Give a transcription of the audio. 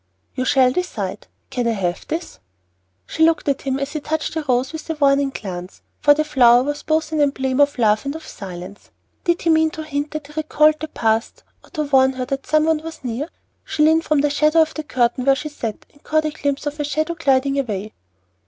"You shall decide. Can I have this?" She looked at him as he touched a rose with a warning glance, for the flower was both an emblem of love and of silence. Did he mean to hint that he recalled the past, or to warn her that someone was near? She leaned from the shadow of the curtain where she sat, and caught a glimpse of a shadow gliding away.